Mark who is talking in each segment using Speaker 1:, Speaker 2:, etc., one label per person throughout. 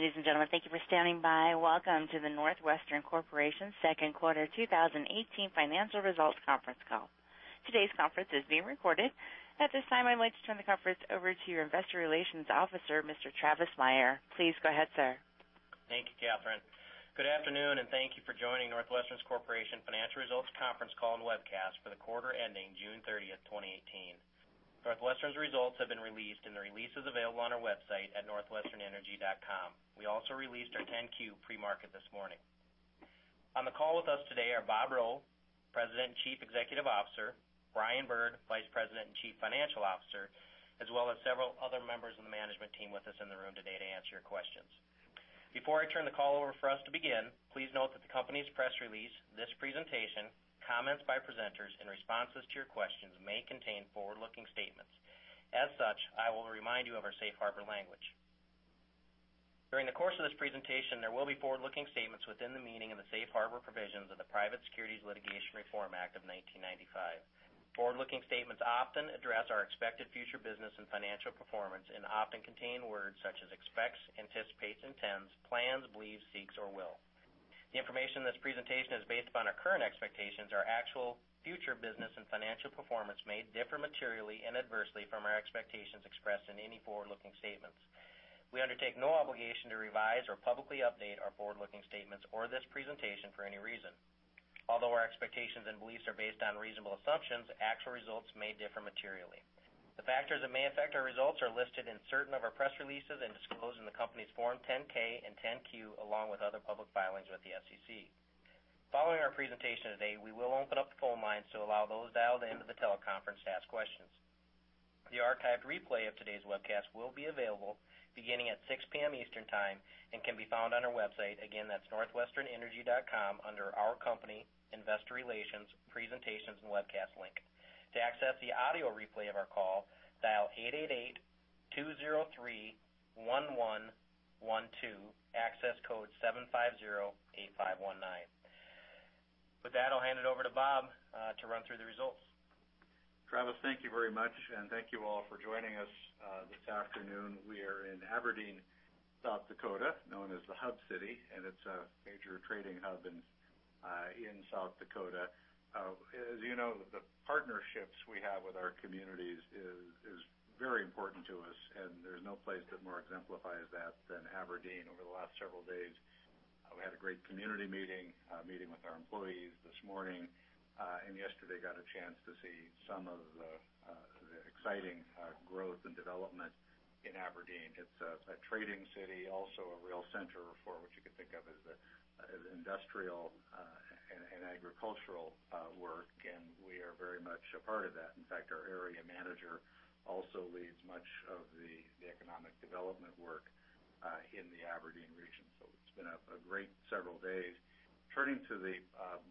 Speaker 1: Good day, ladies and gentlemen. Thank you for standing by. Welcome to the NorthWestern Energy second quarter 2018 financial results conference call. Today's conference is being recorded. At this time, I'd like to turn the conference over to your Investor Relations Officer, Mr. Travis Meyer. Please go ahead, sir.
Speaker 2: Thank you, Catherine. Good afternoon, and thank you for joining NorthWestern Corporation financial results conference call and webcast for the quarter ending June 30th, 2018. NorthWestern's results have been released, and the release is available on our website at northwesternenergy.com. We also released our 10-Q pre-market this morning. On the call with us today are Bob Rowe, President and Chief Executive Officer, Brian Bird, Vice President and Chief Financial Officer, as well as several other members of the management team with us in the room today to answer your questions. Before I turn the call over for us to begin, please note that the company's press release, this presentation, comments by presenters, and responses to your questions may contain forward-looking statements. I will remind you of our safe harbor language. During the course of this presentation, there will be forward-looking statements within the meaning of the safe harbor provisions of the Private Securities Litigation Reform Act of 1995. Forward-looking statements often address our expected future business and financial performance, and often contain words such as "expects," "anticipates," "intends," "plans," "believes," "seeks," or "will." The information in this presentation is based upon our current expectations. Our actual future business and financial performance may differ materially and adversely from our expectations expressed in any forward-looking statements. We undertake no obligation to revise or publicly update our forward-looking statements or this presentation for any reason. Although our expectations and beliefs are based on reasonable assumptions, actual results may differ materially. The factors that may affect our results are listed in certain of our press releases and disclosed in the company's Form 10-K and 10-Q, along with other public filings with the SEC. Following our presentation today, we will open up the phone lines to allow those dialed into the teleconference to ask questions. The archived replay of today's webcast will be available beginning at 6:00 P.M. Eastern Time and can be found on our website. Again, that's northwesternenergy.com under Our Company, Investor Relations, Presentations, and Webcast link. To access the audio replay of our call, dial 888-203-1112, access code 7508519. I'll hand it over to Bob to run through the results.
Speaker 3: Travis, thank you very much, and thank you all for joining us this afternoon. We are in Aberdeen, South Dakota, known as the Hub City, and it's a major trading hub in South Dakota. As you know, the partnerships we have with our communities is very important to us, and there's no place that more exemplifies that than Aberdeen. Over the last several days, we had a great community meeting, a meeting with our employees this morning, and yesterday got a chance to see some of the exciting growth and development in Aberdeen. It's a trading city, also a real center for what you could think of as industrial and agricultural work, and we are very much a part of that. In fact, our area manager also leads much of the economic development work in the Aberdeen region. It's been a great several days. Turning to the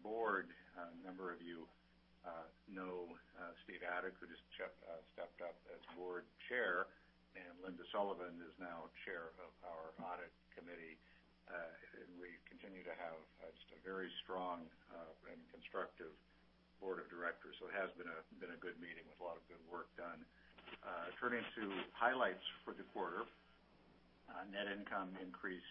Speaker 3: board, a number of you know Stephen Adik, who just stepped up as Board Chair, and Linda Sullivan is now Chair of our Audit Committee. We continue to have just a very strong and constructive board of directors. It has been a good meeting with a lot of good work done. Turning to highlights for the quarter. Net income increased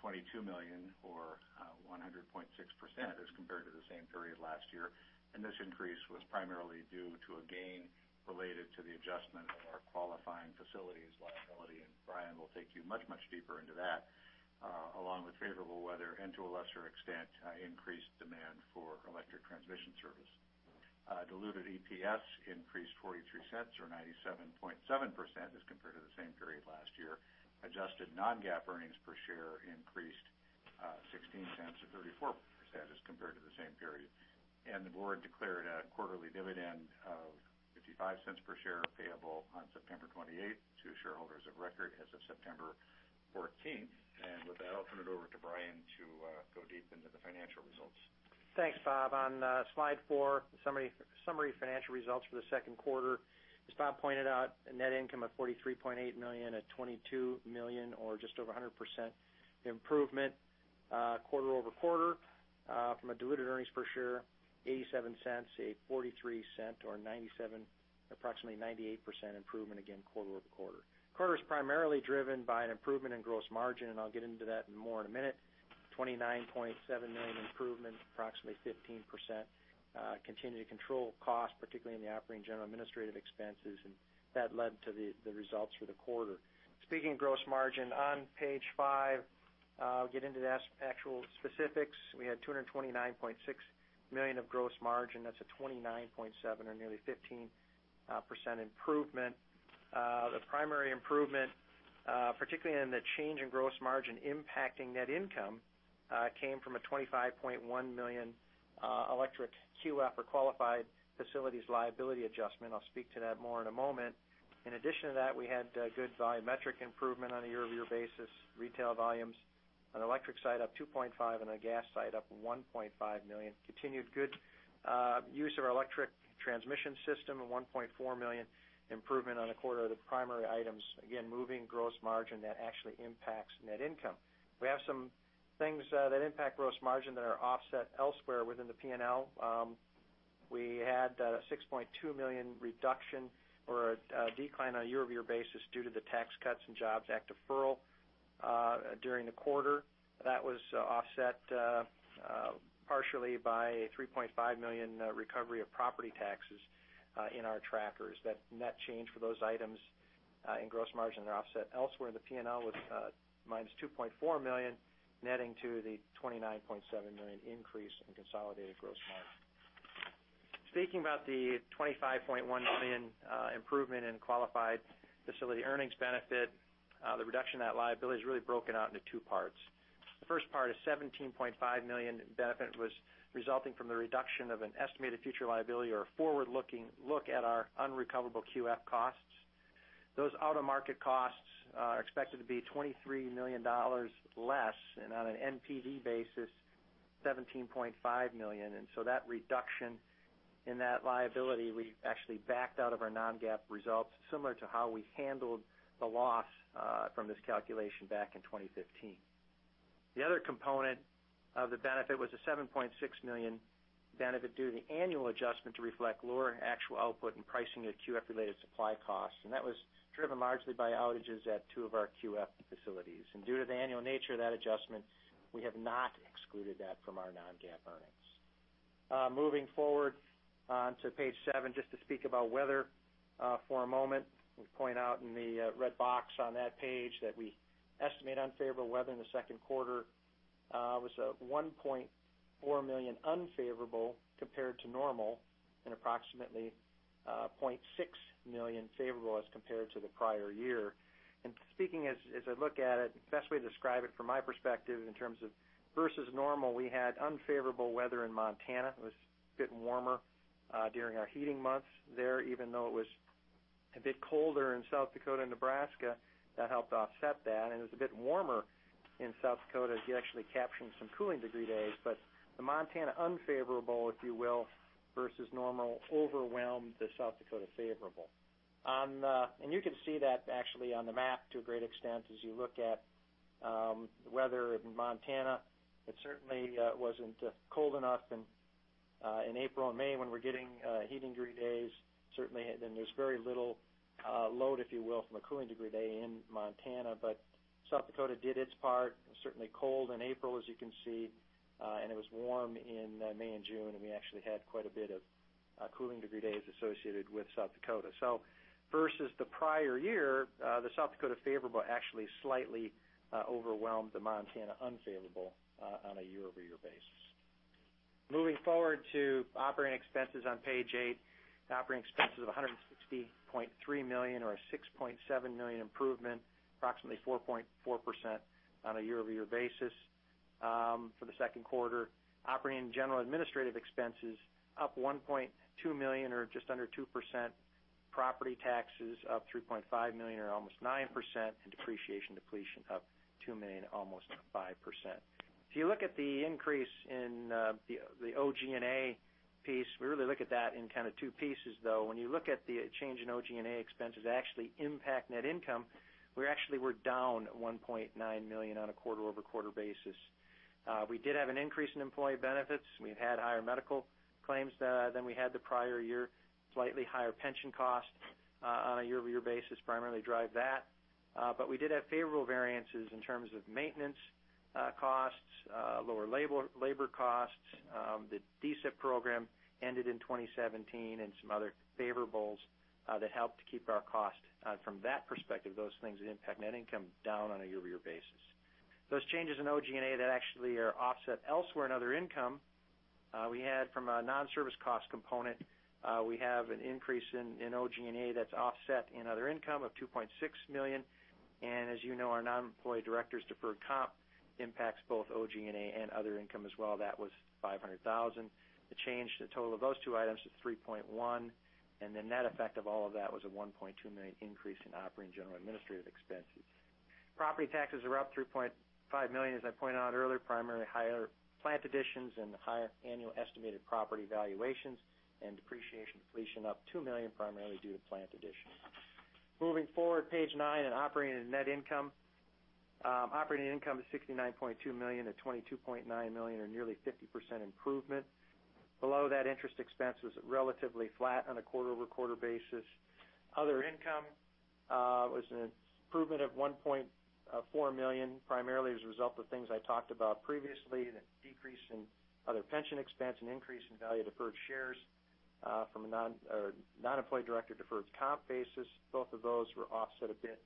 Speaker 3: $22 million, or 100.6% as compared to the same period last year. This increase was primarily due to a gain related to the adjustment of our Qualifying Facilities liability. Brian will take you much, much deeper into that, along with favorable weather and, to a lesser extent, increased demand for electric transmission service. Diluted EPS increased $0.43 or 97.7% as compared to the same period last year. Adjusted non-GAAP earnings per share increased $0.16 to 34% as compared to the same period. The board declared a quarterly dividend of $0.55 per share payable on September 28th to shareholders of record as of September 14th. With that, I'll turn it over to Brian to go deep into the financial results.
Speaker 4: Thanks, Bob. On slide four, summary financial results for the second quarter. As Bob pointed out, a net income of $43.8 million at $22 million or just over 100% improvement quarter-over-quarter from a diluted earnings per share, $0.87, a $0.43 or approximately 98% improvement again, quarter-over-quarter. The quarter is primarily driven by an improvement in gross margin, and I'll get into that more in a minute. $29.7 million improvement, approximately 15%. Continue to control cost, particularly in the Operating, General & Administrative expenses, and that led to the results for the quarter. Speaking of gross margin, on page five, I'll get into the actual specifics. We had $229.6 million of gross margin. That's a $29.7 or nearly 15% improvement. The primary improvement, particularly in the change in gross margin impacting net income, came from a $25.1 million electric QF or Qualifying Facilities liability adjustment. I'll speak to that more in a moment. In addition to that, we had good volumetric improvement on a year-over-year basis. Retail volumes on the electric side up 2.5 and on the gas side up 1.5 million. Continued good use of our electric transmission system of $1.4 million improvement on a quarter of the primary items. Again, moving gross margin that actually impacts net income We have some things that impact gross margin that are offset elsewhere within the P&L. We had a $6.2 million reduction or a decline on a year-over-year basis due to the Tax Cuts and Jobs Act deferral during the quarter. That was offset partially by a $3.5 million recovery of property taxes in our trackers. That net change for those items in gross margin are offset elsewhere in the P&L with minus $2.4 million, netting to the $29.7 million increase in consolidated gross margin. Speaking about the $25.1 million improvement in Qualifying Facility earnings benefit, the reduction in that liability is really broken out into two parts. The first part, a $17.5 million benefit, was resulting from the reduction of an estimated future liability or a forward-looking look at our unrecoverable QF costs. Those out-of-market costs are expected to be $23 million less, and on an NPV basis, $17.5 million. That reduction in that liability, we actually backed out of our non-GAAP results, similar to how we handled the loss from this calculation back in 2015. The other component of the benefit was a $7.6 million benefit due to the annual adjustment to reflect lower actual output and pricing of QF-related supply costs. That was driven largely by outages at two of our QF facilities. Due to the annual nature of that adjustment, we have not excluded that from our non-GAAP earnings. Moving forward onto page seven, just to speak about weather for a moment. We point out in the red box on that page that we estimate unfavorable weather in the second quarter was a $1.4 million unfavorable compared to normal and approximately $0.6 million favorable as compared to the prior year. Speaking as I look at it, the best way to describe it from my perspective in terms of versus normal, we had unfavorable weather in Montana. It was a bit warmer during our heating months there, even though it was a bit colder in South Dakota and Nebraska. That helped offset that. It was a bit warmer in South Dakota as you actually captured some cooling degree days. The Montana unfavorable, if you will, versus normal, overwhelmed the South Dakota favorable. You can see that actually on the map to a great extent as you look at the weather in Montana. It certainly wasn't cold enough in April and May when we're getting heating degree days. There's very little load, if you will, from a cooling degree day in Montana. South Dakota did its part. It was certainly cold in April, as you can see. It was warm in May and June, and we actually had quite a bit of cooling degree days associated with South Dakota. Versus the prior year, the South Dakota favorable actually slightly overwhelmed the Montana unfavorable on a year-over-year basis. Moving forward to operating expenses on page eight. Operating expenses of $160.3 million, or a $6.7 million improvement, approximately 4.4% on a year-over-year basis for the second quarter. Operating, General & Administrative expenses up $1.2 million or just under 2%. Property taxes up $3.5 million or almost 9%, and depreciation depletion up $2 million, almost 5%. If you look at the increase in the OG&A piece, we really look at that in kind of two pieces, though. When you look at the change in OG&A expenses actually impact net income, we actually were down $1.9 million on a quarter-over-quarter basis. We did have an increase in employee benefits. We've had higher medical claims than we had the prior year. Slightly higher pension costs on a year-over-year basis primarily drive that. We did have favorable variances in terms of maintenance costs, lower labor costs. The DSIP program ended in 2017 and some other favorables that helped to keep our cost from that perspective, those things that impact net income down on a year-over-year basis. Those changes in OG&A that actually are offset elsewhere in other income, we had from a non-service cost component. We have an increase in OG&A that's offset in other income of $2.6 million. As you know, our non-employee directors' deferred comp impacts both OG&A and other income as well. That was $500,000. The change, the total of those two items is $3.1 million. The net effect of all of that was a $1.2 million increase in Operating, General & Administrative expenses. Property taxes are up $3.5 million, as I pointed out earlier, primarily higher plant additions and higher annual estimated property valuations, and depreciation depletion up $2 million, primarily due to plant additions. Moving forward, page nine in operating and net income. Operating income is $69.2 million to $22.9 million or nearly 50% improvement. Below that, interest expense was relatively flat on a quarter-over-quarter basis. Other income was an improvement of $1.4 million, primarily as a result of things I talked about previously, the decrease in other pension expense and increase in value deferred shares from a non-employee director deferred comp basis. Both of those were offset a bit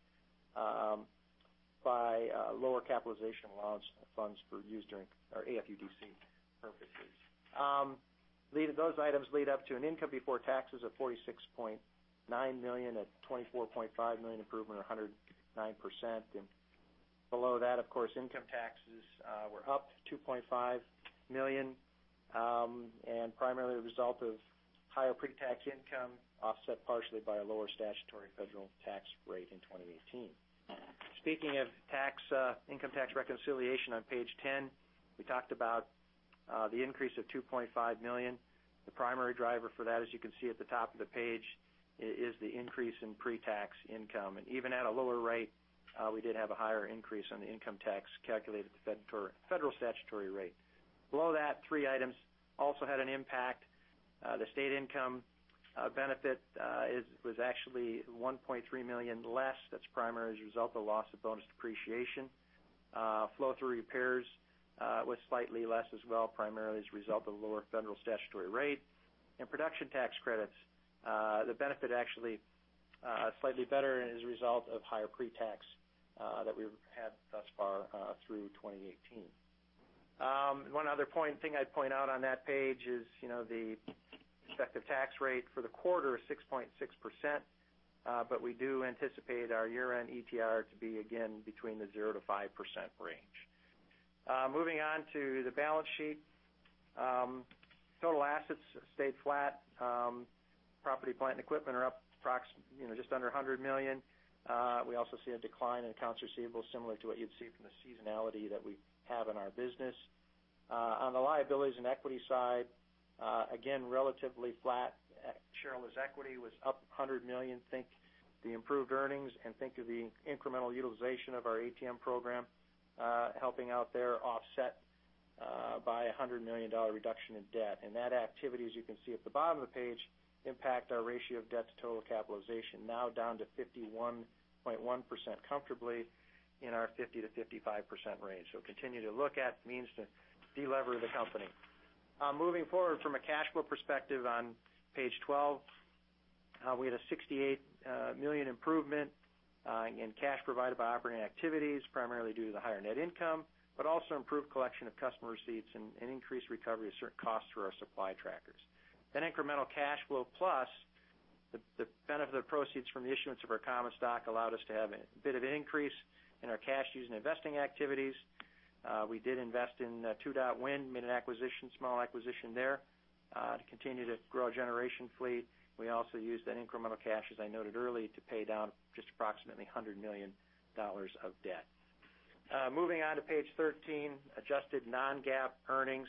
Speaker 4: by lower capitalization allowance funds for use during our AFUDC purposes. Those items lead up to an income before taxes of $46.9 million at $24.5 million improvement or 109%. Below that, of course, income taxes were up $2.5 million, and primarily a result of higher pre-tax income, offset partially by a lower statutory federal tax rate in 2018. Speaking of income tax reconciliation on page 10, we talked about the increase of $2.5 million. The primary driver for that, as you can see at the top of the page, is the increase in pre-tax income. Even at a lower rate, we did have a higher increase on the income tax calculated at the federal statutory rate. Below that, three items also had an impact. The state income benefit was actually $1.3 million less. That's primarily as a result of the loss of bonus depreciation. Flow-through repairs was slightly less as well, primarily as a result of the lower federal statutory rate. Production tax credits. The benefit actually slightly better as a result of higher pre-tax that we've had thus far through 2018. One other thing I'd point out on that page is the effective tax rate for the quarter is 6.6%, but we do anticipate our year-end ETR to be, again, between the 0% to 5% range. Moving on to the balance sheet. Total assets stayed flat. Property, plant, and equipment are up just under $100 million. We also see a decline in accounts receivable, similar to what you'd see from the seasonality that we have in our business. On the liabilities and equity side, again, relatively flat. Shareholder's equity was up $100 million. Think the improved earnings and think of the incremental utilization of our ATM program helping out there, offset by $100 million reduction in debt. That activity, as you can see at the bottom of the page, impact our ratio of debt to total capitalization now down to 51.1%, comfortably in our 50% to 55% range. Continue to look at means to de-lever the company. Moving forward from a cash flow perspective on Page 12. We had a $68 million improvement in cash provided by operating activities, primarily due to the higher net income, but also improved collection of customer receipts and increased recovery of certain costs through our supply trackers. Incremental cash flow plus the benefit of the proceeds from the issuance of our common stock allowed us to have a bit of an increase in our cash used in investing activities. We did invest in Two Dot Wind, made an acquisition, small acquisition there to continue to grow our generation fleet. We also used that incremental cash, as I noted earlier, to pay down just approximately $100 million of debt. Moving on to Page 13, adjusted non-GAAP earnings.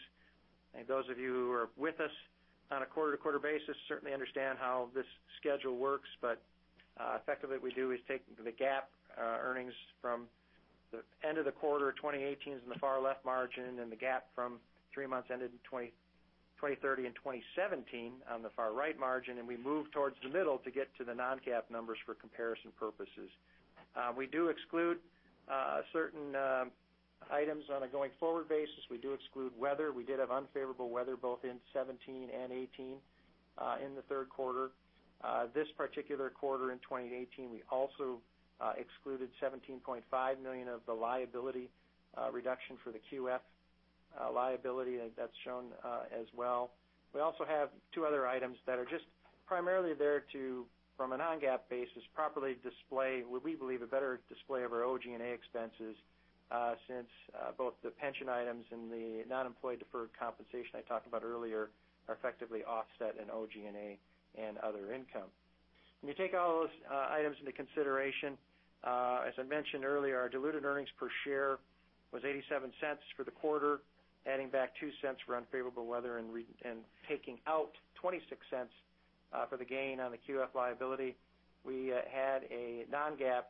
Speaker 4: Those of you who are with us on a quarter-to-quarter basis certainly understand how this schedule works. Effectively what we do is take the GAAP earnings from the end of the quarter. 2018 is in the far left margin, and the GAAP from three months ended in 2030 and 2017 on the far right margin. We move towards the middle to get to the non-GAAP numbers for comparison purposes. We do exclude certain items on a going-forward basis. We do exclude weather. We did have unfavorable weather both in '17 and '18 in the third quarter. This particular quarter in 2018, we also excluded $17.5 million of the liability reduction for the QF liability. That's shown as well. We also have two other items that are just primarily there to, from a non-GAAP basis, properly display what we believe a better display of our OG&A expenses, since both the pension items and the non-employee deferred compensation I talked about earlier are effectively offset in OG&A and other income. When you take all those items into consideration, as I mentioned earlier, our diluted earnings per share was $0.87 for the quarter. Adding back $0.02 for unfavorable weather and taking out $0.26 for the gain on the QF liability, we had a non-GAAP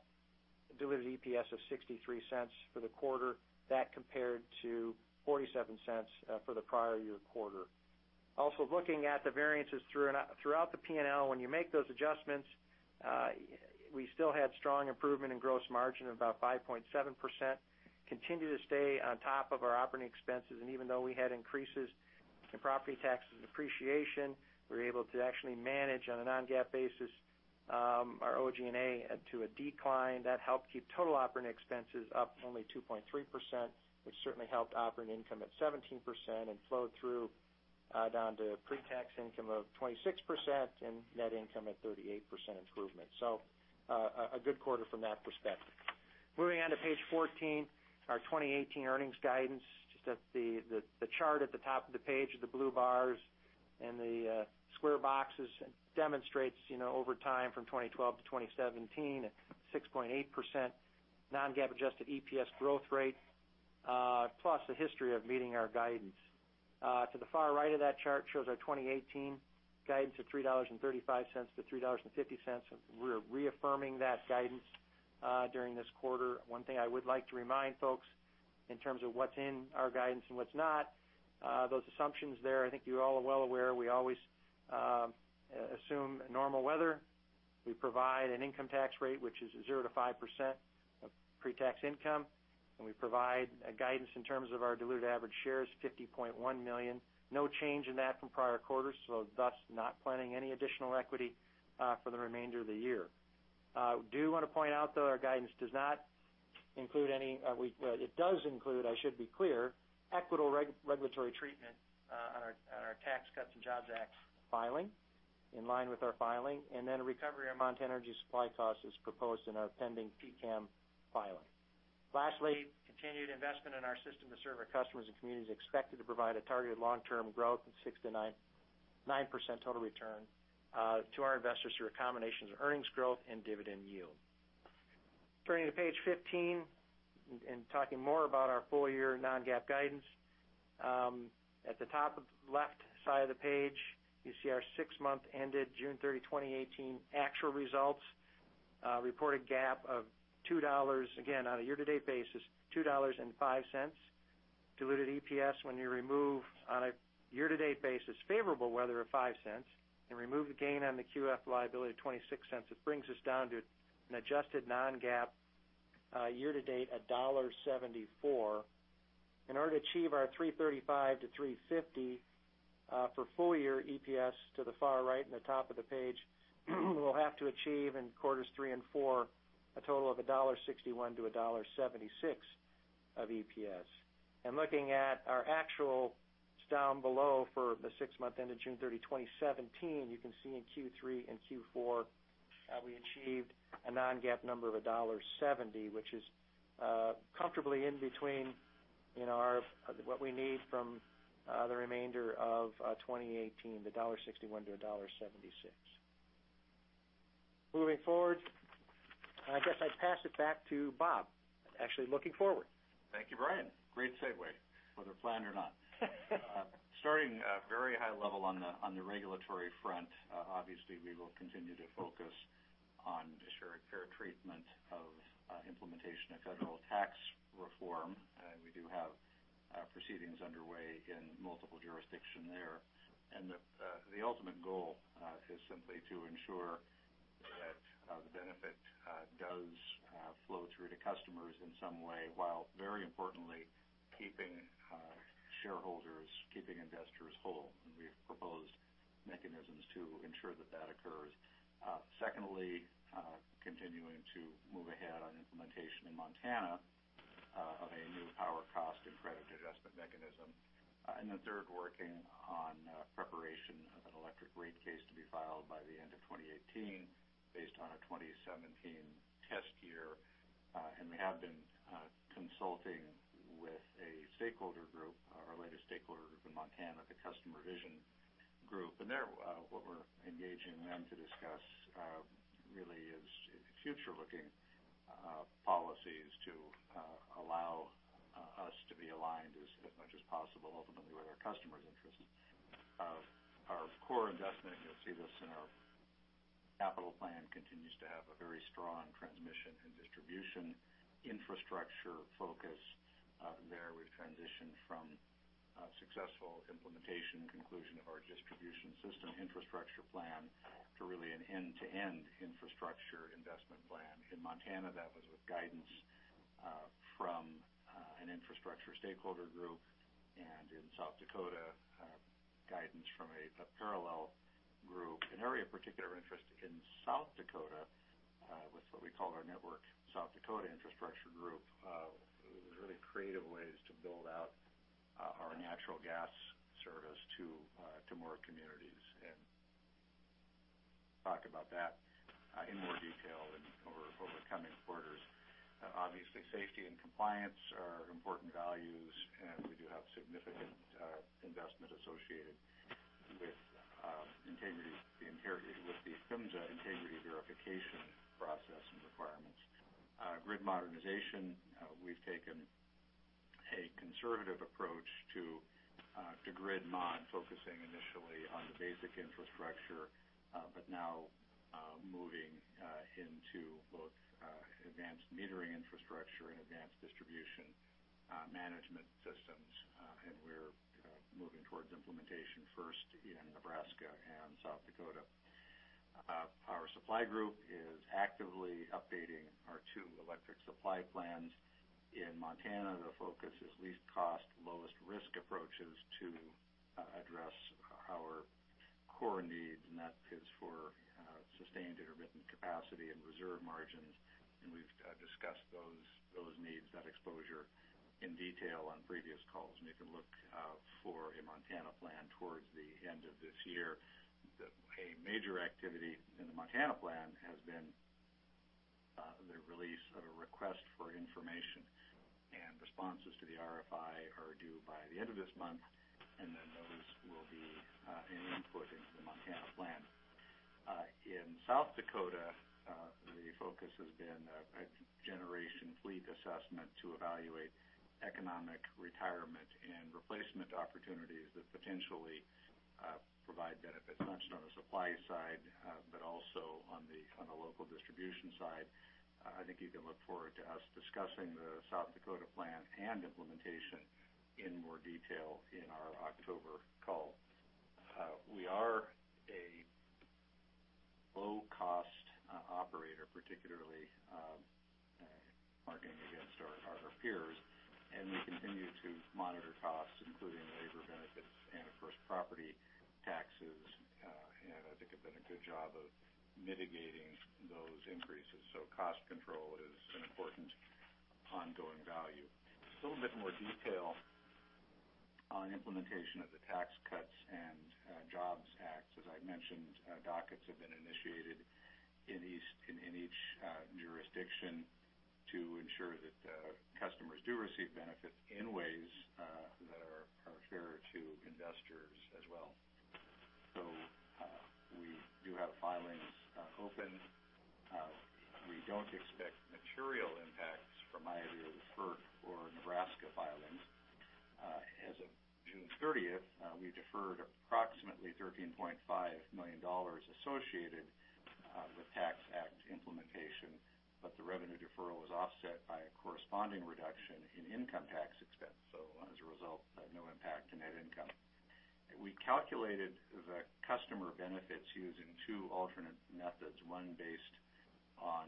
Speaker 4: diluted EPS of $0.63 for the quarter. That compared to $0.47 for the prior year quarter. Also looking at the variances throughout the P&L, when you make those adjustments, we still had strong improvement in gross margin of about 5.7%. Continue to stay on top of our operating expenses. Even though we had increases in property taxes and depreciation, we were able to actually manage on a non-GAAP basis our OG&A to a decline. That helped keep total operating expenses up only 2.3%, which certainly helped operating income at 17% and flowed through down to pre-tax income of 26% and net income at 38% improvement. A good quarter from that perspective. Moving on to Page 14, our 2018 earnings guidance. Just the chart at the top of the page are the blue bars, and the square boxes demonstrates over time from 2012 to 2017, a 6.8% non-GAAP adjusted EPS growth rate, plus the history of meeting our guidance. To the far right of that chart shows our 2018 guidance of $3.35-$3.50. We're reaffirming that guidance during this quarter. One thing I would like to remind folks in terms of what's in our guidance and what's not, those assumptions there, I think you all are well aware, we always assume normal weather. We provide an income tax rate, which is 0% to 5% of pre-tax income. We provide a guidance in terms of our diluted average shares, 50.1 million. No change in that from prior quarters, so thus not planning any additional equity for the remainder of the year. I do want to point out, though, our guidance does include, I should be clear, equitable regulatory treatment on our Tax Cuts and Jobs Act filing, in line with our filing, and then a recovery amount to energy supply costs as proposed in our pending PCAM filing. Lastly, continued investment in our system to serve our customers and communities expected to provide a targeted long-term growth of 6% to 9% total return to our investors through a combination of earnings growth and dividend yield. Turning to page 15 and talking more about our full-year non-GAAP guidance. At the top left side of the page, you see our six-month ended June 30, 2018, actual results, reported GAAP of $2.00, again, on a year-to-date basis, $2.05 diluted EPS. When you remove on a year-to-date basis favorable weather of $0.05 and remove the gain on the QF liability of $0.26, it brings us down to an adjusted non-GAAP year-to-date, $1.74. In order to achieve our $3.35-$3.50 for full-year EPS to the far right in the top of the page, we'll have to achieve in quarters three and four, a total of $1.61-$1.76 of EPS. Looking at our actuals down below for the six-month end of June 30, 2017, you can see in Q3 and Q4, we achieved a non-GAAP number of $1.70, which is comfortably in between what we need from the remainder of 2018, the $1.61-$1.76. Moving forward, I guess I pass it back to Bob. Actually, looking forward.
Speaker 3: Thank you, Brian. Great segue, whether planned or not. Starting very high level on the regulatory front, obviously we will continue to focus on ensuring fair treatment of implementation of federal tax reform. We do have proceedings underway in multiple jurisdiction there, the ultimate goal is simply to ensure that the benefit does flow through to customers in some way, while very importantly, keeping shareholders, keeping investors whole. We've proposed mechanisms to ensure that that occurs. Secondly, continuing to move ahead on implementation in Montana of a new Power Cost and Credit Adjustment Mechanism. The third, working on preparation of an electric rate case to be filed by the end of 2018 based on a 2017 test year. We have been consulting with a stakeholder group, our latest stakeholder group in Montana, the Customer Vision Group. What we're engaging them to discuss really is future-looking policies to allow us to be aligned as much as possible, ultimately with our customers' interests. Our core investment, you'll see this in our capital plan, continues to have a very strong transmission and distribution infrastructure focus. There we've transitioned from successful implementation conclusion of our distribution system infrastructure plan to really an end-to-end infrastructure investment plan. In Montana, that was with guidance from an infrastructure stakeholder group, in South Dakota, guidance from a parallel group. An area of particular interest in South Dakota with what we call our Network South Dakota Infrastructure Group, was really creative ways to build out our natural gas service to more communities. Talk about that in more detail over coming quarters. Obviously, safety and compliance are important values. We do have significant investment associated with the PHMSA integrity verification process and requirements. Grid modernization, we've taken a conservative approach to grid mod, focusing initially on the basic infrastructure, but now moving into both advanced metering infrastructure and advanced distribution management systems. We're moving towards implementation first in Nebraska and South Dakota. Our supply group is actively updating our two electric supply plans. In Montana, the focus is least cost, lowest risk approaches to address our core needs, that is for sustained intermittent capacity and reserve margins. We've discussed those needs, that exposure in detail on previous calls. You can look out for a Montana plan towards the end of this year. A major activity in the Montana plan has been the release of a request for information. Responses to the RFI are due by the end of this month, then those will be an input into the Montana plan. In South Dakota, the focus has been a generation fleet assessment to evaluate economic retirement and replacement opportunities that potentially provide benefits, not just on the supply side, but also on the local distribution side. I think you can look forward to us discussing the South Dakota plan and implementation in more detail in our October call. We are a low-cost operator, particularly marking against our peers. We continue to monitor costs, including labor benefits and, of course, property taxes, I think have done a good job of mitigating those increases. Cost control is an important ongoing value. A little bit more detail on implementation of the Tax Cuts and Jobs Act. As I mentioned, dockets have been initiated in each jurisdiction to ensure that customers do receive benefits in ways that are fair to investors as well. We do have filings open. We don't expect material impacts from Iowa, deferred, or Nebraska filings. As of June 30th, we deferred approximately $13.5 million associated with tax act implementation, but the revenue deferral was offset by a corresponding reduction in income tax expense. As a result, no impact to net income. We calculated the customer benefits using two alternate methods, one based on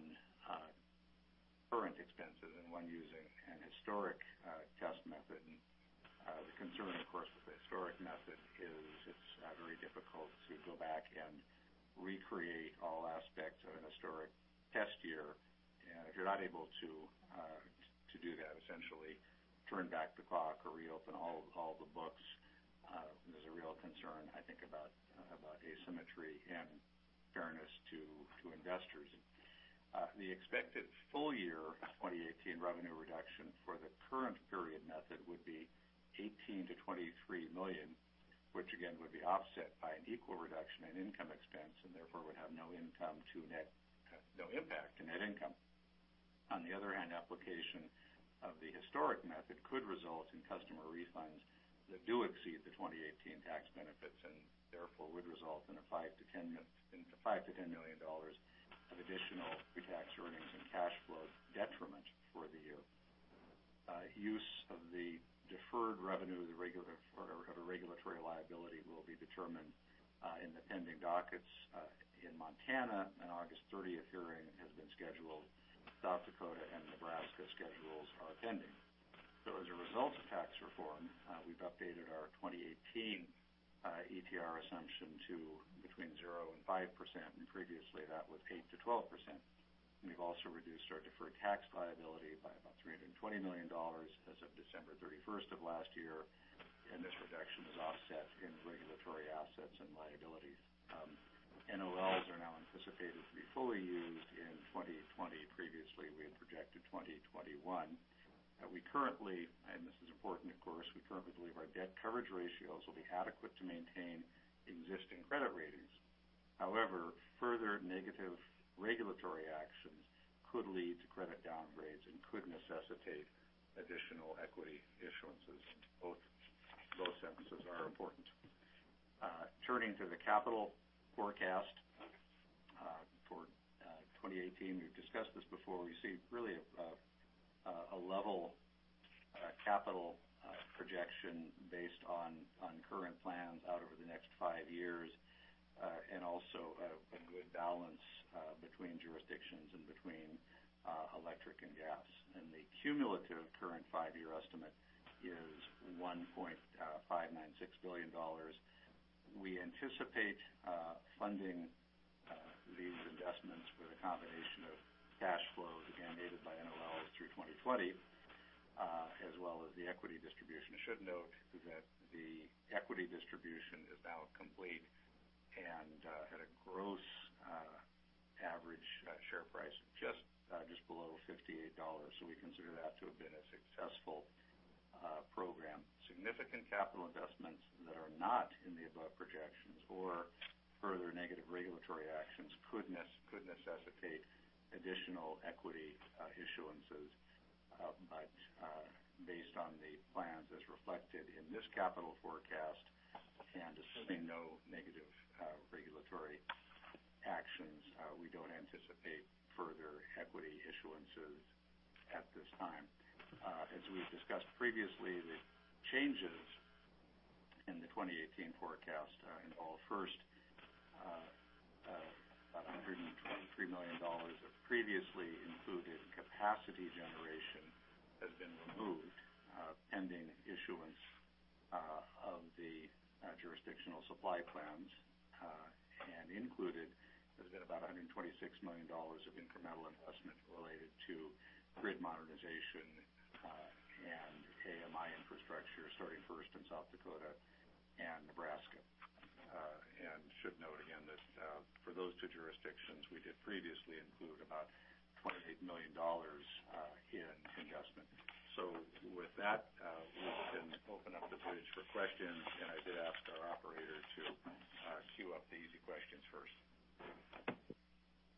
Speaker 3: current expenses and one using an historic test method. The concern, of course, with the historic method is it's very difficult to go back and recreate all aspects of an historic test year. If you're not able to do that, essentially turn back the clock or reopen all the books, there's a real concern, I think, about asymmetry and fairness to investors. The expected full year 2018 revenue reduction for the current period method would be $18 million to $23 million, which again, would be offset by an equal reduction in income expense and therefore would have no impact to net income. On the other hand, application of the historic method could result in customer refunds that do exceed the 2018 tax benefits, and therefore would result in a $5 million to $10 million of additional pre-tax earnings and cash flow detriment for the year. Use of the deferred revenue of a regulatory liability will be determined in the pending dockets in Montana. An August 30th hearing has been scheduled. South Dakota and Nebraska schedules are pending. As a result of tax reform, we've updated our 2018 ETR assumption to between 0% and 5%, and previously that was 8%-12%. We've also reduced our deferred tax liability by about $320 million as of December 31st of last year, and this reduction is offset in regulatory assets and liabilities. NOLs are now anticipated to be fully used in 2020. Previously, we had projected 2021. We currently, and this is important, of course, believe our debt coverage ratios will be adequate to maintain existing credit ratings. However, further negative regulatory actions could lead to credit downgrades and could necessitate additional equity issuances. Both those sentences are important. Turning to the capital forecast for 2018, we've discussed this before. We see really a level capital projection based on current plans out over the next five years, and also a good balance between jurisdictions and between electric and gas. The cumulative current five-year estimate is $1.596 billion. We anticipate funding these investments with a combination of cash flows, again, aided by NOLs through 2020, as well as the equity distribution. I should note that the equity distribution is now complete and at a gross average share price of just below $58. We consider that to have been a successful program. Significant capital investments that are not in the above projections or further negative regulatory actions could necessitate additional equity issuances. Based on the plans as reflected in this capital forecast and assuming no negative regulatory actions, we don't anticipate further equity issuances at this time. As we've discussed previously, the changes in the 2018 forecast involve, first, $123 million of previously included capacity generation has been removed, pending issuance of the jurisdictional supply plans, included has been about $126 million of incremental investment related to grid modernization and AMI infrastructure, starting first in South Dakota and Nebraska. Should note again that for those two jurisdictions, we did previously include about $28 million in investment. With that, we can open up the bridge for questions, and I did ask our operator to queue up the easy questions first.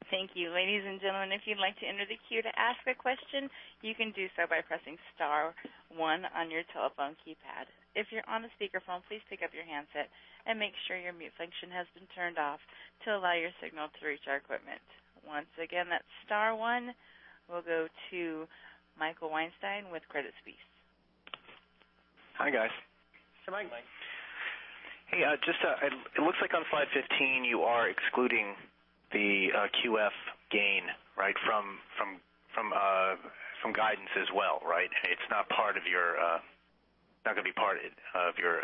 Speaker 1: Thank you. Ladies and gentlemen, if you'd like to enter the queue to ask a question, you can do so by pressing star one on your telephone keypad. If you're on a speakerphone, please pick up your handset and make sure your mute function has been turned off to allow your signal to reach our equipment. Once again, that's star one. We'll go to Michael Weinstein with Credit Suisse.
Speaker 5: Hi, guys.
Speaker 3: Hey, Mike.
Speaker 5: Hey, it looks like on slide 15, you are excluding the QF gain from guidance as well, right? It's not going to be part of your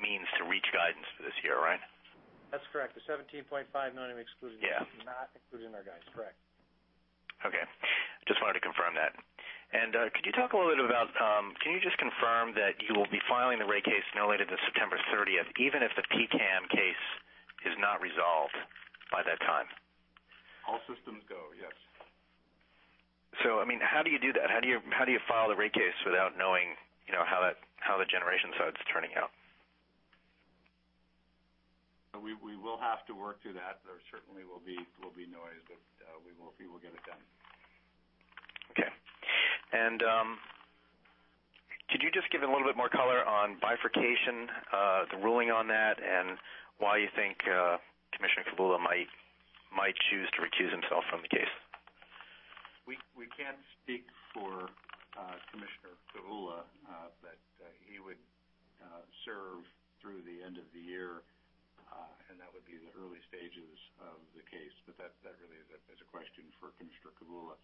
Speaker 5: means to reach guidance for this year, right?
Speaker 3: That's correct. The $17.5 million we excluded-
Speaker 5: Yeah
Speaker 3: is not included in our guidance, correct.
Speaker 5: Okay. Just wanted to confirm that. Can you just confirm that you will be filing the rate case no later than September 30th, even if the PCAM case is not resolved by that time?
Speaker 3: All systems.
Speaker 5: How do you do that? How do you file the rate case without knowing how the generation side's turning out?
Speaker 3: We will have to work through that. There certainly will be noise, but we will get it done.
Speaker 5: Okay. Could you just give a little bit more color on bifurcation, the ruling on that, and why you think Commissioner Kavulla might choose to recuse himself from the case?
Speaker 3: We can't speak for Commissioner Kavulla, he would serve through the end of the year, that would be the early stages of the case. That really is a question for Commissioner Kavulla.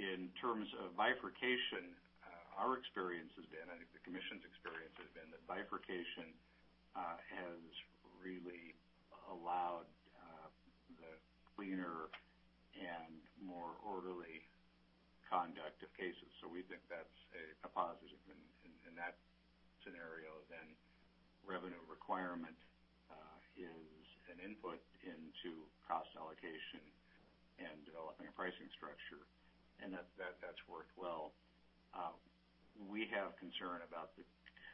Speaker 3: In terms of bifurcation, our experience has been, I think the commission's experience has been, that bifurcation has really allowed the cleaner and more orderly conduct of cases. We think that's a positive in that scenario. Revenue requirement is an input into cost allocation and developing a pricing structure, and that's worked well. We have concern about the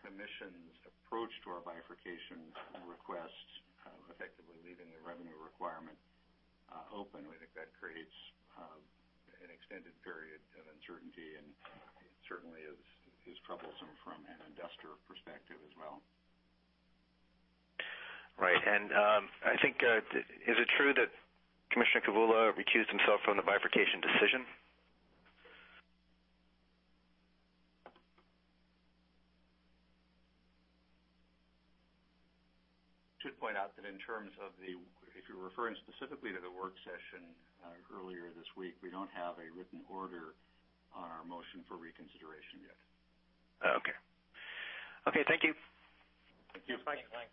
Speaker 3: commission's approach to our bifurcation request, effectively leaving the revenue requirement open. We think that creates an extended period of uncertainty, and certainly is troublesome from an investor perspective as well.
Speaker 5: Right. I think, is it true that Commissioner Kavulla recused himself from the bifurcation decision?
Speaker 3: To point out that in terms of the, if you're referring specifically to the work session earlier this week, we don't have a written order on our motion for reconsideration yet.
Speaker 5: Okay. Thank you.
Speaker 3: Thank you. Bye.
Speaker 4: Thank you. Bye.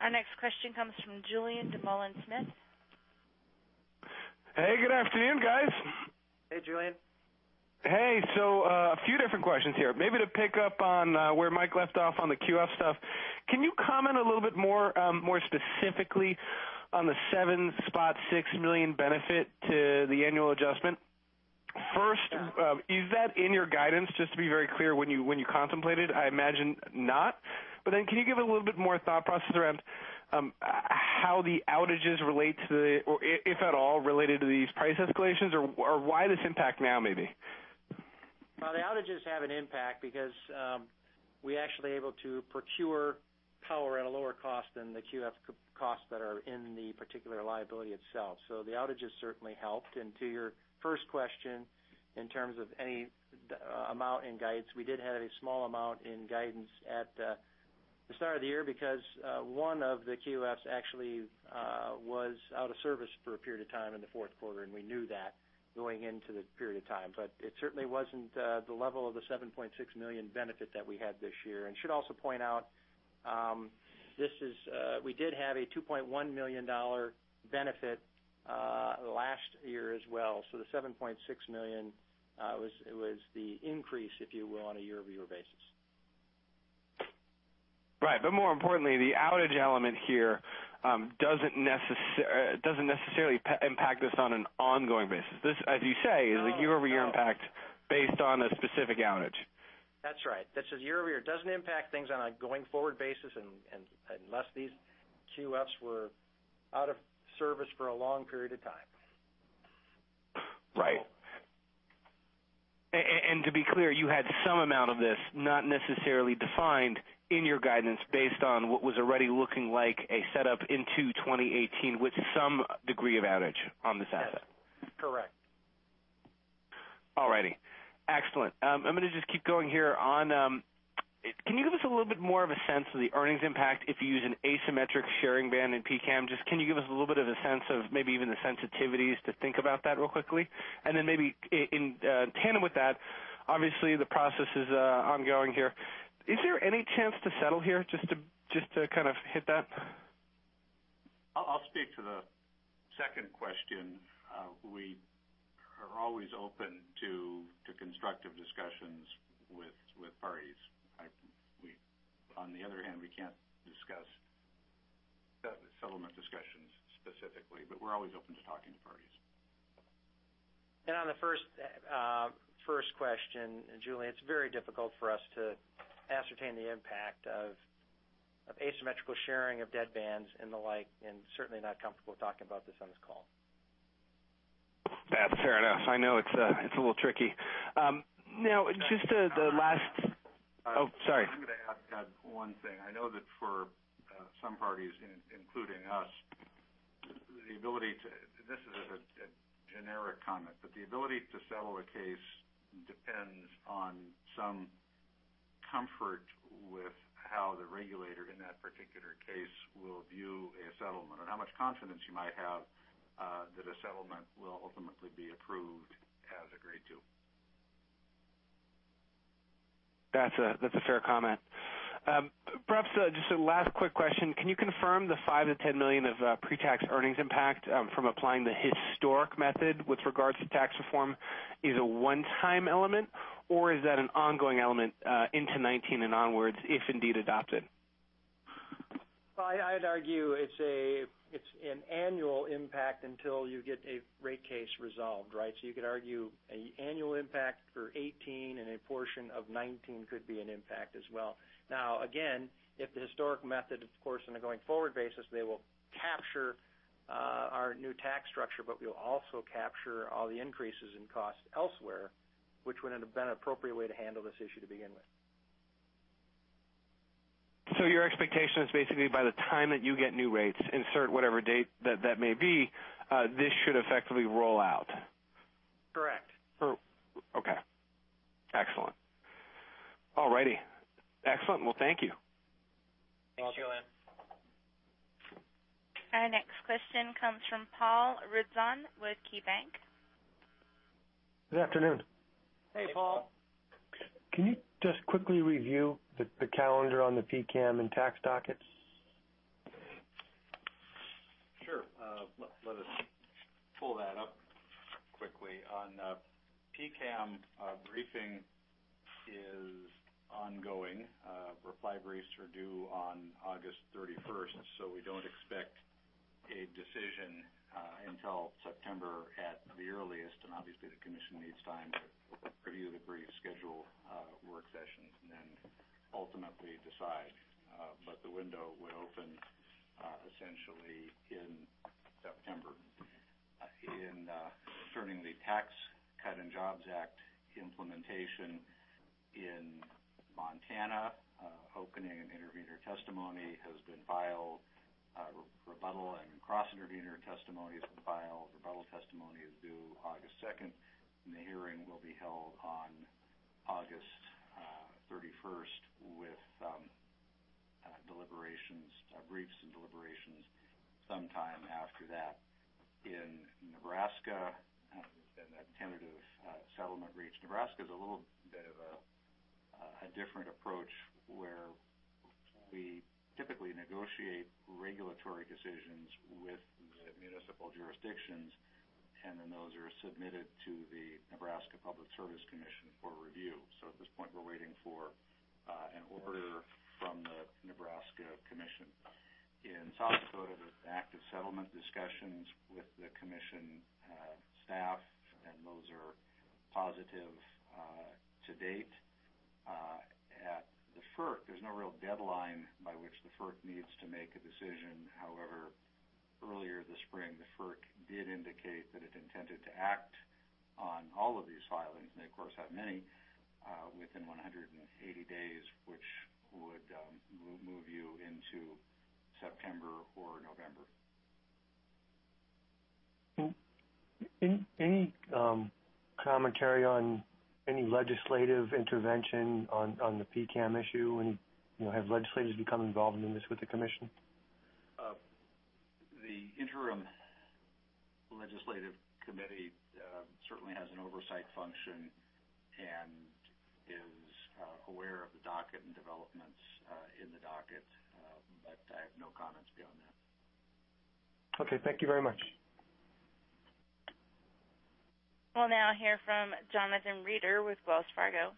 Speaker 1: Our next question comes from Julien Dumoulin-Smith.
Speaker 6: Hey, good afternoon, guys.
Speaker 4: Hey, Julien.
Speaker 6: Hey. A few different questions here. Maybe to pick up on where Mike left off on the QF stuff, can you comment a little bit more specifically on the $7.6 million benefit to the annual adjustment? First, is that in your guidance, just to be very clear when you contemplated, I imagine not? Can you give a little bit more thought process around how the outages relate to the, or if at all related to these price escalations? Why this impact now, maybe?
Speaker 4: Well, the outages have an impact because we're actually able to procure power at a lower cost than the QF costs that are in the particular liability itself. The outages certainly helped. To your first question, in terms of any amount in guidance, we did have a small amount in guidance at the start of the year because one of the QFs actually was out of service for a period of time in the fourth quarter, and we knew that going into the period of time. It certainly wasn't the level of the $7.6 million benefit that we had this year. Should also point out, we did have a $2.1 million benefit last year as well. The $7.6 million was the increase, if you will, on a year-over-year basis.
Speaker 6: Right. More importantly, the outage element here doesn't necessarily impact this on an ongoing basis. This, as you say, is a year-over-year impact based on a specific outage.
Speaker 4: That's right. That's just year-over-year. It doesn't impact things on a going-forward basis unless these QFs were out of service for a long period of time.
Speaker 6: Right. To be clear, you had some amount of this not necessarily defined in your guidance based on what was already looking like a setup into 2018 with some degree of outage on this asset.
Speaker 4: Yes. Correct.
Speaker 6: All righty. Excellent. I'm going to just keep going here. Can you give us a little bit more of a sense of the earnings impact if you use an asymmetric sharing band in PCAM? Can you give us a little bit of a sense of maybe even the sensitivities to think about that real quickly? Maybe in tandem with that, obviously the process is ongoing here. Is there any chance to settle here, just to kind of hit that?
Speaker 3: I'll speak to the second question. We are always open to constructive discussions with parties. On the other hand, we can't discuss settlement discussions specifically. We're always open to talking to parties.
Speaker 4: On the first question, Julien, it's very difficult for us to ascertain the impact of asymmetrical sharing of dead bands and the like, and certainly not comfortable talking about this on this call.
Speaker 6: That's fair enough. I know it's a little tricky. Oh, sorry.
Speaker 3: I'm going to add one thing. I know that for some parties, including us, and this is a generic comment, but the ability to settle a case depends on some comfort with how the regulator in that particular case will view a settlement and how much confidence you might have that a settlement will ultimately be approved as agreed to.
Speaker 6: That's a fair comment. Perhaps just a last quick question. Can you confirm the $5 million-$10 million of pre-tax earnings impact from applying the historic method with regards to tax reform is a one-time element, or is that an ongoing element into 2019 and onwards, if indeed adopted?
Speaker 4: Well, I'd argue it's an annual impact until you get a rate case resolved, right? You could argue an annual impact for 2018 and a portion of 2019 could be an impact as well. Again, if the historic method, of course, on a going forward basis, they will capture our new tax structure, but we'll also capture all the increases in cost elsewhere, which would have been an appropriate way to handle this issue to begin with.
Speaker 6: Your expectation is basically by the time that you get new rates, insert whatever date that may be, this should effectively roll out?
Speaker 4: Correct.
Speaker 6: Okay. Excellent. All right. Excellent. Well, thank you.
Speaker 4: Thanks, Julien.
Speaker 1: Our next question comes from Paul Ridzon with KeyBank.
Speaker 7: Good afternoon.
Speaker 4: Hey, Paul.
Speaker 7: Can you just quickly review the calendar on the PCAM and tax dockets?
Speaker 3: Sure. Let us pull that up quickly. On PCAM, briefing is ongoing. Reply briefs are due on August 31st. We don't expect a decision until September at the earliest, and obviously the commission needs time to review the brief schedule work sessions and then ultimately decide. The window would open essentially in September. Concerning the Tax Cuts and Jobs Act implementation in Montana, opening intervener testimony has been filed. Rebuttal and cross-intervener testimonies filed. Rebuttal testimony is due August 2nd, and the hearing will be held on August 31st, with briefs and deliberations sometime after that. In Nebraska, a tentative settlement reached. Nebraska is a little bit of a different approach, where we typically negotiate regulatory decisions with the municipal jurisdictions, and then those are submitted to the Nebraska Public Service Commission for review. At this point, we're waiting for an order from the Nebraska Commission. In South Dakota, there's active settlement discussions with the commission staff, and those are positive to date. At the FERC, there's no real deadline by which the FERC needs to make a decision. However, earlier this spring, the FERC did indicate that it intended to act on all of these filings, and they of course, have many, within 180 days, which would move you into September or November.
Speaker 7: Any commentary on any legislative intervention on the PCAM issue? Have legislators become involved in this with the commission?
Speaker 3: The interim legislative committee certainly has an oversight function and is aware of the docket and developments in the docket. I have no comments beyond that.
Speaker 7: Okay. Thank you very much.
Speaker 1: We will now hear from Jonathan Reeder with Wells Fargo.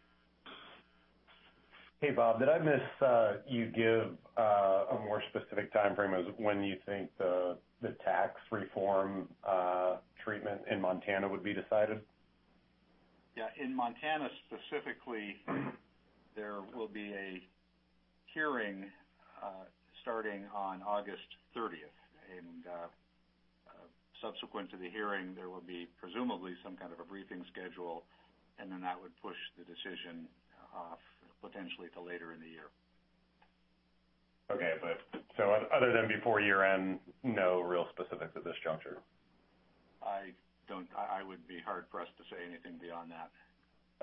Speaker 8: Hey, Bob, did I miss you give a more specific timeframe of when you think the tax reform treatment in Montana would be decided?
Speaker 3: Yeah. In Montana specifically, there will be a hearing starting on August 30th. Subsequent to the hearing, there will be presumably some kind of a briefing schedule, then that would push the decision off potentially till later in the year.
Speaker 8: Okay. Other than before year-end, no real specifics at this juncture?
Speaker 3: It would be hard for us to say anything beyond that.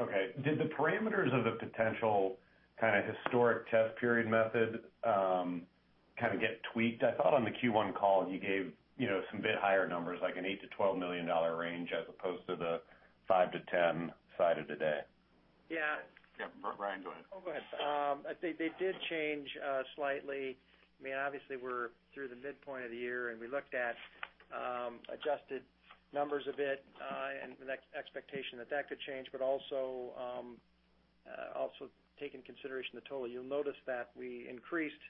Speaker 8: Okay. Did the parameters of the potential kind of historic test period method kind of get tweaked? I thought on the Q1 call you gave some bit higher numbers, like an $8 million-$12 million range, as opposed to the $5 million-$10 million cited today.
Speaker 4: Yeah.
Speaker 3: Yeah. Brian, go ahead.
Speaker 4: Oh, go ahead. They did change slightly. Obviously, we're through the midpoint of the year, and we looked at adjusted numbers a bit, and the expectation that could change, but also take into consideration the total. You'll notice that we increased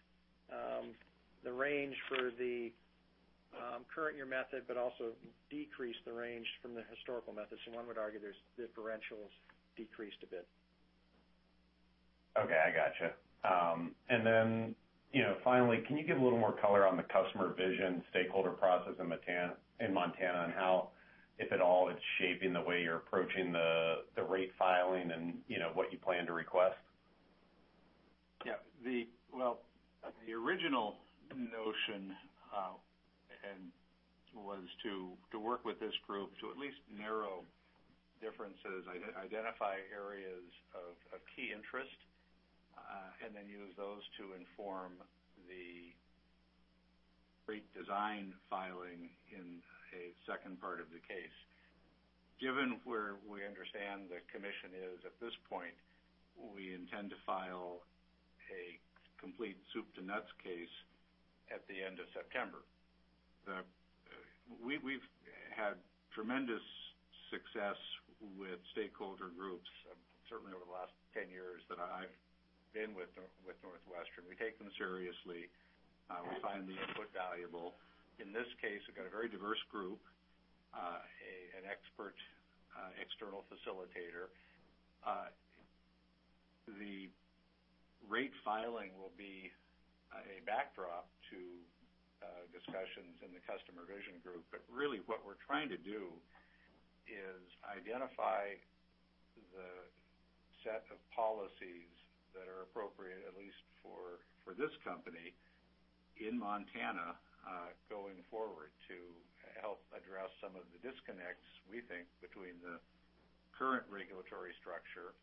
Speaker 4: the range for the current year method, but also decreased the range from the historical method. One would argue the differentials decreased a bit.
Speaker 8: Okay. I gotcha. Finally, can you give a little more color on the Customer Vision stakeholder process in Montana, and how, if at all, it's shaping the way you're approaching the rate filing and what you plan to request?
Speaker 3: Yeah. Well, the original notion was to work with this group to at least narrow differences, identify areas of key interest, and then use those to inform the rate design filing in a second part of the case. Given where we understand the commission is at this point, we intend to file a complete soup to nuts case at the end of September. We've had tremendous success with stakeholder groups, certainly over the last 10 years that I've been with NorthWestern. We take them seriously. We find the input valuable. In this case, we've got a very diverse group, an expert external facilitator. The rate filing will be a backdrop to discussions in the Customer Vision Group. Really what we're trying to do is identify the set of policies that are appropriate, at least for this company in Montana, going forward to help address some of the disconnects, we think, between the current regulatory structure,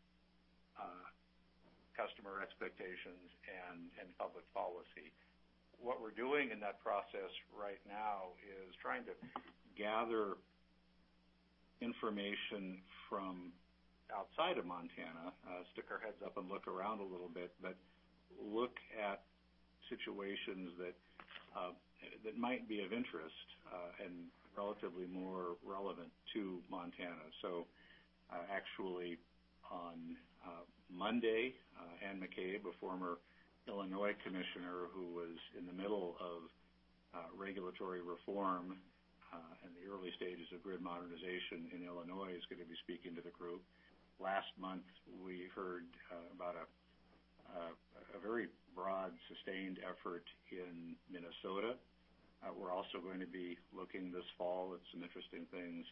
Speaker 3: customer expectations, and public policy. What we're doing in that process right now is trying to gather information from outside of Montana, stick our heads up and look around a little bit, but look at situations that might be of interest and relatively more relevant to Montana. Actually, on Monday, Ann McCabe, a former Illinois commissioner who was in the middle of regulatory reform in the early stages of grid modernization in Illinois, is going to be speaking to the group. Last month, we heard about a very broad, sustained effort in Minnesota. We're also going to be looking this fall at some interesting things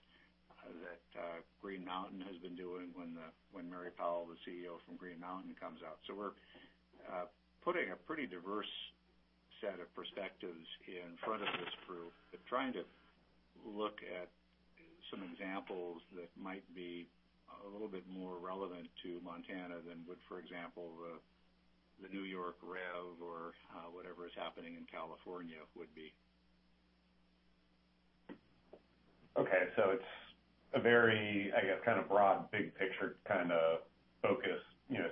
Speaker 3: that Green Mountain has been doing when Mary Powell, the CEO from Green Mountain, comes out. We're putting a pretty diverse set of perspectives in front of this group, but trying to look at some examples that might be a little bit more relevant to Montana than would, for example, the New York REV or whatever is happening in California would be.
Speaker 8: Okay. It's a very, I guess, kind of broad, big picture kind of focus,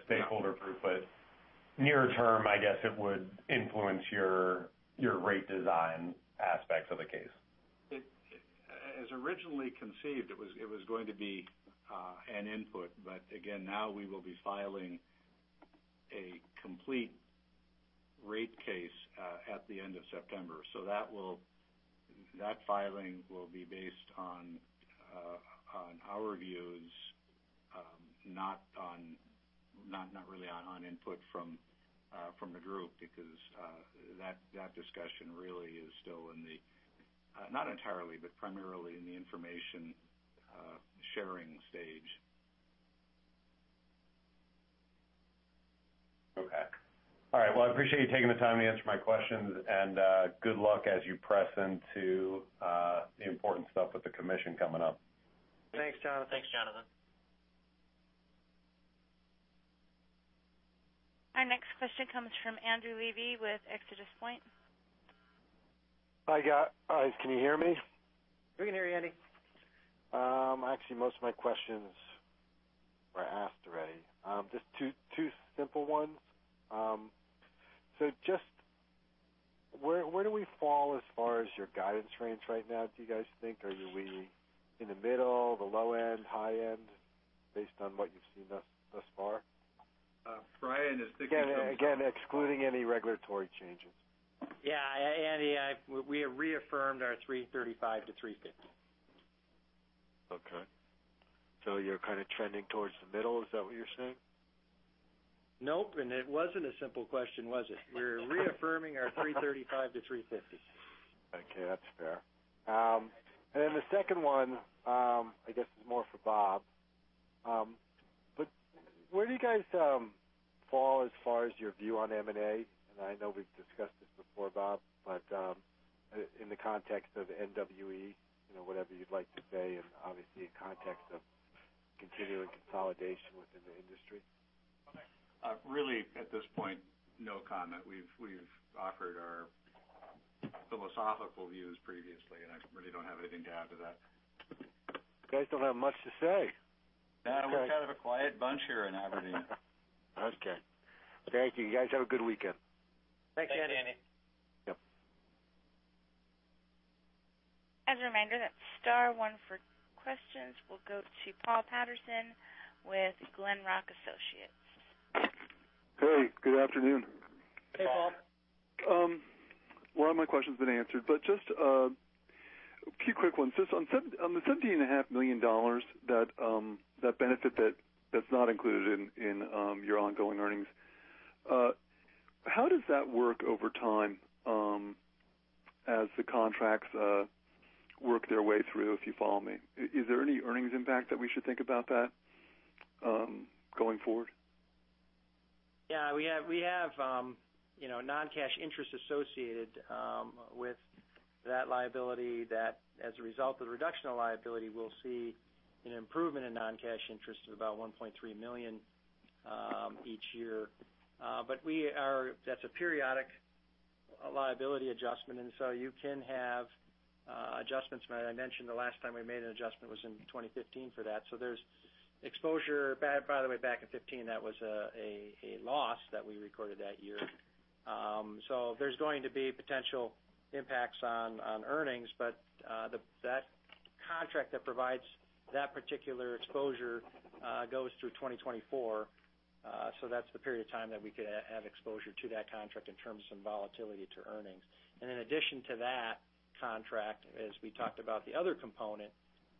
Speaker 8: stakeholder group. Nearer term, I guess it would influence your rate design aspects of the case.
Speaker 3: As originally conceived, it was going to be an input. Again, now we will be filing a complete rate case at the end of September. That filing will be based on our views, not really on input from the group, because that discussion really is still in the, not entirely, but primarily in the information sharing stage.
Speaker 8: Okay. All right. Well, I appreciate you taking the time to answer my questions, and good luck as you press into the important stuff with the commission coming up.
Speaker 3: Thanks, Jonathan.
Speaker 4: Thanks, Jonathan.
Speaker 1: Our next question comes from Andrew Levy with ExodusPoint.
Speaker 9: Hi, guys. Can you hear me?
Speaker 3: We can hear you, Andy.
Speaker 9: Actually, most of my questions were asked already. Just two simple ones. Just where do we fall as far as your guidance range right now, do you guys think? Are you leaning in the middle, the low end, high end, based on what you've seen thus far?
Speaker 3: Brian is thinking.
Speaker 9: Again, excluding any regulatory changes.
Speaker 4: Yeah. Andy, we have reaffirmed our 335-350.
Speaker 9: Okay. You're kind of trending towards the middle, is that what you're saying?
Speaker 4: Nope, it wasn't a simple question, was it? We're reaffirming our 335-350.
Speaker 9: Okay, that's fair. The second one, I guess is more for Bob. Where do you guys fall as far as your view on M&A? I know we've discussed this before, Bob, but in the context of NWE, whatever you'd like to say, in context of continuing consolidation within the industry.
Speaker 3: Really, at this point, no comment. We've offered our philosophical views previously, I really don't have anything to add to that.
Speaker 9: You guys don't have much to say.
Speaker 3: We're kind of a quiet bunch here in Aberdeen.
Speaker 9: Okay. Thank you. You guys have a good weekend.
Speaker 4: Thanks, Andy.
Speaker 3: Thanks, Andy.
Speaker 9: Yep.
Speaker 1: As a reminder, that's star one for questions. We'll go to Paul Patterson with Glenrock Associates.
Speaker 10: Hey, good afternoon.
Speaker 3: Hey, Paul.
Speaker 10: One of my questions been answered, just a few quick ones. Just on the $17.5 million that benefit that's not included in your ongoing earnings. How does that work over time as the contracts work their way through, if you follow me? Is there any earnings impact that we should think about that going forward?
Speaker 4: Yeah, we have non-cash interest associated with that liability that as a result of the reduction of liability, we'll see an improvement in non-cash interest of about $1.3 million each year. That's a periodic liability adjustment, you can have adjustments made. I mentioned the last time we made an adjustment was in 2015 for that. There's exposure. By the way, back in 2015, that was a loss that we recorded that year. There's going to be potential impacts on earnings, that contract that provides that particular exposure goes through 2024, so that's the period of time that we could have exposure to that contract in terms of some volatility to earnings. In addition to that contract, as we talked about the other component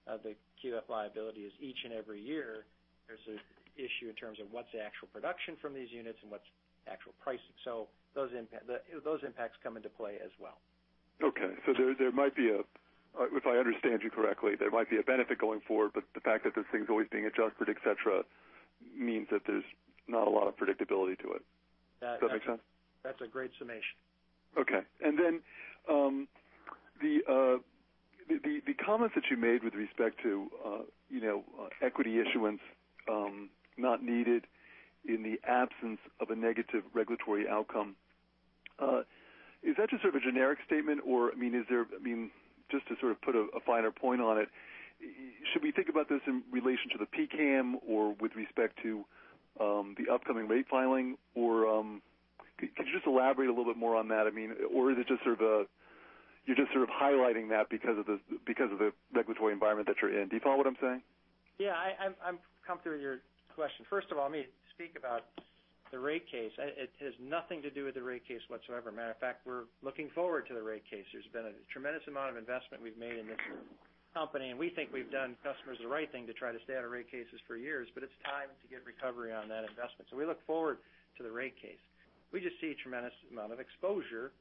Speaker 4: of the QF liability is each and every year, there's an issue in terms of what's the actual production from these units and what's the actual pricing. Those impacts come into play as well.
Speaker 10: Okay. If I understand you correctly, there might be a benefit going forward, but the fact that this thing's always being adjusted, et cetera, means that there's not a lot of predictability to it. Does that make sense?
Speaker 4: That's a great summation.
Speaker 10: Okay. Then, the comment that you made with respect to equity issuance not needed in the absence of a negative regulatory outcome, is that just sort of a generic statement? Just to sort of put a finer point on it, should we think about this in relation to the PCAM or with respect to the upcoming rate filing? Could you just elaborate a little bit more on that? You're just sort of highlighting that because of the regulatory environment that you're in. Do you follow what I'm saying?
Speaker 4: Yeah. I'm comfortable with your question. First of all, let me speak about the rate case. It has nothing to do with the rate case whatsoever. Matter of fact, we're looking forward to the rate case. There's been a tremendous amount of investment we've made in this company, and we think we've done customers the right thing to try to stay out of rate cases for years, but it's time to get recovery on that investment. We look forward to the rate case. We just see a tremendous amount of exposure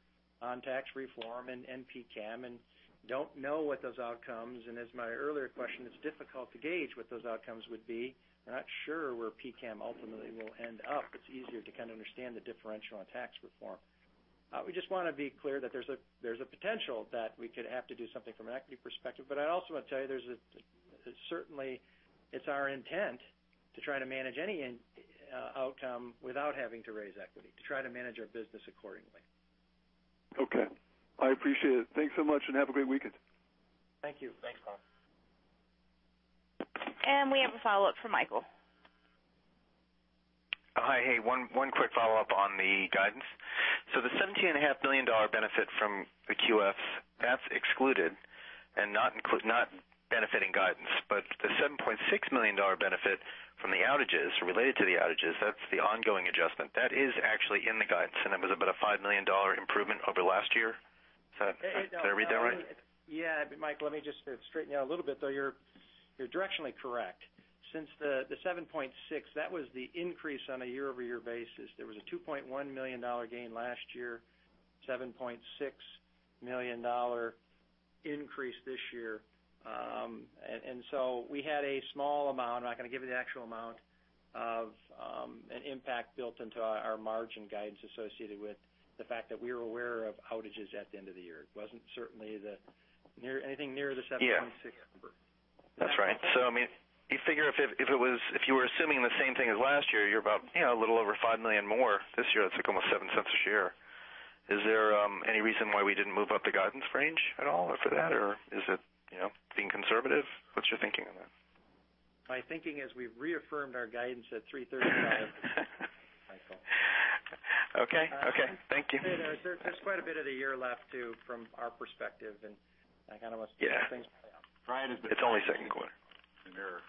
Speaker 4: on tax reform and PCAM, and don't know what those outcomes, and as my earlier question, it's difficult to gauge what those outcomes would be. We're not sure where PCAM ultimately will end up. It's easier to kind of understand the differential on tax reform. We just want to be clear that there's a potential that we could have to do something from an equity perspective, but I also want to tell you, certainly it's our intent to try to manage any outcome without having to raise equity, to try to manage our business accordingly.
Speaker 10: Okay. I appreciate it. Thanks so much and have a great weekend.
Speaker 4: Thank you.
Speaker 3: Thanks, Paul.
Speaker 1: We have a follow-up from Michael.
Speaker 5: Hi. Hey, one quick follow-up on the guidance. The $17.5 million benefit from the QFs, that's excluded and not benefiting guidance. The $7.6 million benefit from the outages, related to the outages, that's the ongoing adjustment. That is actually in the guidance, and that was about a $5 million improvement over last year. Did I read that right?
Speaker 4: Yeah. Mike, let me just straighten you out a little bit, though you're directionally correct. Since the 7.6, that was the increase on a year-over-year basis. There was a $2.1 million gain last year, $7.6 million increase this year. We had a small amount, I'm not going to give you the actual amount, of an impact built into our margin guidance associated with the fact that we were aware of outages at the end of the year. It wasn't certainly anything near the 7.6 number.
Speaker 5: Yeah. That's right. You figure if you were assuming the same thing as last year, you're about a little over $5 million more this year. That's like almost $0.07 a share. Is there any reason why we didn't move up the guidance range at all for that? Or is it being conservative? What's your thinking on that?
Speaker 4: My thinking is we've reaffirmed our guidance at $3.35, Michael.
Speaker 5: Okay. Thank you.
Speaker 4: There's quite a bit of the year left, too, from our perspective, and I kind of want to see how things play out.
Speaker 5: Yeah. It's only second quarter.
Speaker 3: The nerve.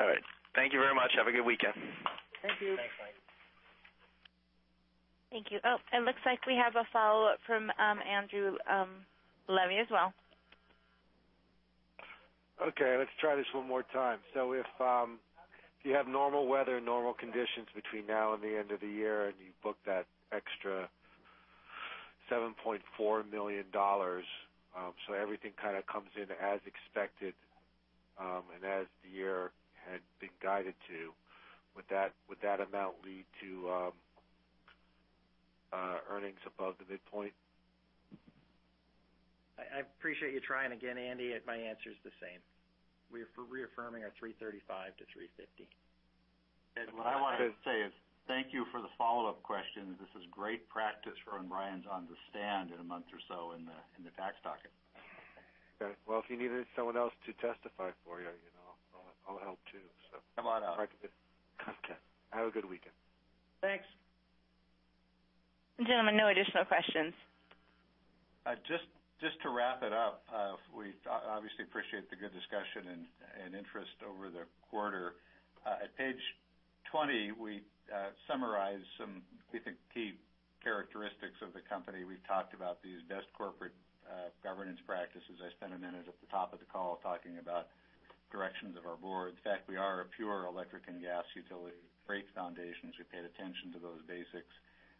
Speaker 5: All right. Thank you very much. Have a good weekend.
Speaker 4: Thank you.
Speaker 3: Thanks, Mike.
Speaker 1: Thank you. Oh, it looks like we have a follow-up from Andrew Levy as well.
Speaker 9: Okay. Let's try this one more time. If you have normal weather, normal conditions between now and the end of the year, and you book that extra $7.4 million, so everything kind of comes in as expected, and as the year had been guided to, would that amount lead to earnings above the midpoint?
Speaker 4: I appreciate you trying again, Andy. My answer's the same. We're reaffirming our $335-$350.
Speaker 3: What I wanted to say is thank you for the follow-up questions. This is great practice for when Brian's on the stand in a month or so in the tax docket.
Speaker 9: Well, if you needed someone else to testify for you, I'll help, too.
Speaker 3: Come on out.
Speaker 9: Have a good weekend.
Speaker 4: Thanks.
Speaker 1: Gentlemen, no additional questions.
Speaker 3: Just to wrap it up, we obviously appreciate the good discussion and interest over the quarter. At page 20, we summarize some, we think, key characteristics of the company. We've talked about these best corporate governance practices. I spent a minute at the top of the call talking about directions of our board. The fact we are a pure electric and gas utility, great foundations. We paid attention to those basics.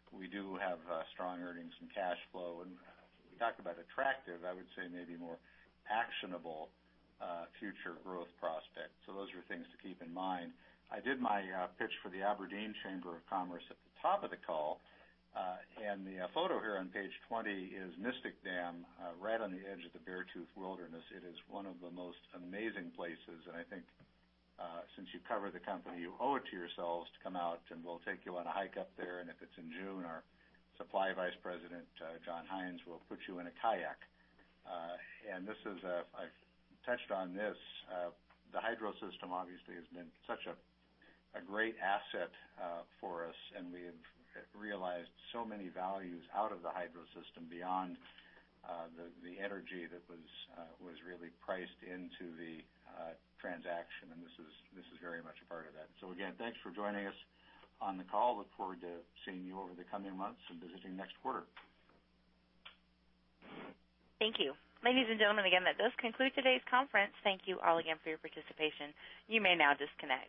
Speaker 3: We do have strong earnings and cash flow. We talked about attractive, I would say maybe more actionable future growth prospects. Those are things to keep in mind. I did my pitch for the Aberdeen Chamber of Commerce at the top of the call. The photo here on page 20 is Mystic Dam, right on the edge of the Beartooth Wilderness. It is one of the most amazing places. I think, since you cover the company, you owe it to yourselves to come out, and we'll take you on a hike up there. If it's in June, our supply vice president, John Hines, will put you in a kayak. I've touched on this. The hydro system obviously has been such a great asset for us. We have realized so many values out of the hydro system beyond the energy that was really priced into the transaction. This is very much a part of that. Again, thanks for joining us on the call. Look forward to seeing you over the coming months and visiting next quarter.
Speaker 1: Thank you. Ladies and gentlemen, again, that does conclude today's conference. Thank you all again for your participation. You may now disconnect.